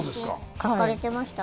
書かれてました。